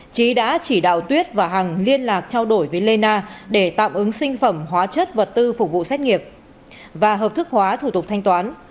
trí đã chỉ đạo tuyết và hằng liên lạc trao đổi với lê na để tạm ứng sinh phẩm hóa chất vật tư phục vụ xét nghiệp và hợp thức hóa thủ tục thanh toán